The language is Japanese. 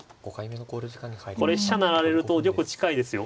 これ飛車成られると玉近いですよ。